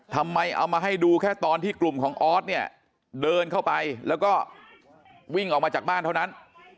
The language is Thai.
ทำไมเอามาให้ดูแค่ตอนที่กลุ่มของออสเนี่ยเดินเข้าไปแล้วก็วิ่งออกมาจากบ้านเท่านั้น